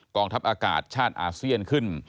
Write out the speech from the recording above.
ทัพอากาศชาติอาเซียนขึ้น